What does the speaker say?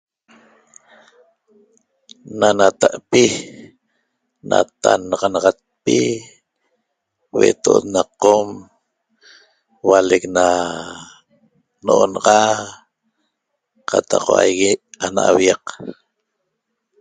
Na nata'pi natannaxanaxatpi hueto'ot na qom hualec na no'onaxa qataq huaigui ana aviaq